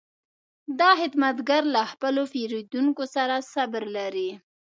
دا خدمتګر له خپلو پیرودونکو سره صبر لري.